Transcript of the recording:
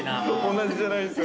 ◆同じじゃないですよ。